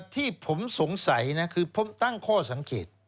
ที่ผมสงสัยนะคือผมตั้งข้อสังเกต